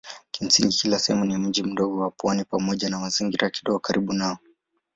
Kimsingi kila sehemu ni mji mdogo wa pwani pamoja na mazingira kidogo karibu nao.